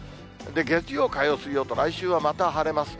月曜、火曜、水曜と、来週はまた晴れます。